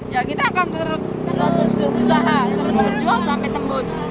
ya kita akan terus berusaha terus berjuang sampai tembus